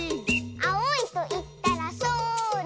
「あおいといったらそら！」